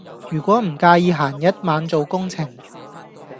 如果唔介意閒日晚做工程